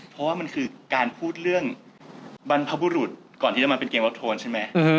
เพราะว่ามันคือการพูดเรื่องบรรพบุรุษก่อนที่จะมาเป็นเกมลดโทนใช่ไหม